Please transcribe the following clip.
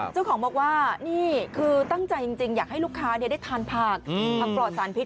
เจ้าของบอกว่านี่คือตั้งใจจริงอยากให้ลูกค้าได้ทานผักผักปลอดสารพิษ